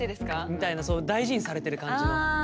みたいな大事にされてる感じの。